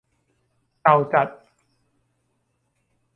เก่าจัด